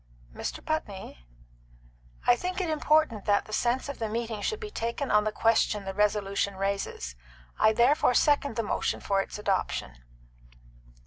"Mr. Putney." "I think it important that the sense of the meeting should be taken on the question the resolution raises. I therefore second the motion for its adoption."